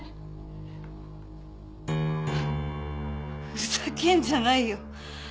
ふざけんじゃないよ。